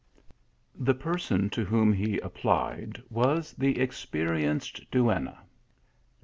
The person to whom he applied was the experi enced duenna.